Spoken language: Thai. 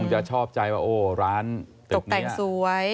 จะชอบใจว่าโอ้ร้านตกแต่งสวย